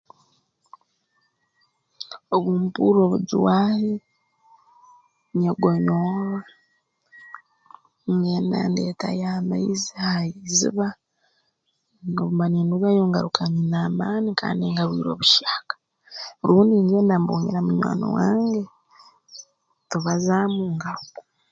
Obu mpurra obujwaahi nyegonyorra ngenda ndeetayo amaizi ha iziba obu mba nindugayo ngaruka nyine amaani kandi ngarwirwe buhyaaka rund ngenda mbungira munywani wange tubazaamu ngaruka